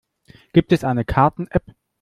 Gibt es eine Karten-App?